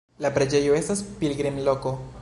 La preĝejo estas pilgrimloko.